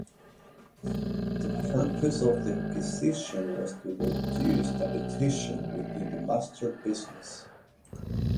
The purpose of the acquisition was to reduce competition within the mustard business.